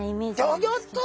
ギョギョッと！